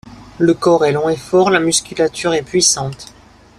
Le corps est long et fort, la musculature est puissante.